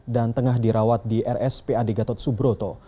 dan tengah dirawat di rspad gatot subroto